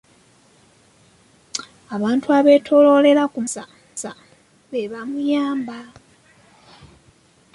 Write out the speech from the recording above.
Abantu abeetooloolera ku Muteesa be baamuyamba.